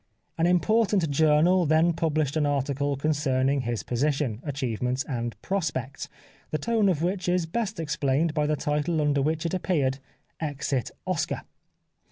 An important journal then published an article concerning his position, achievements and prospects, the tone of which is best explained by the title under which it appeared :" Exit Oscar."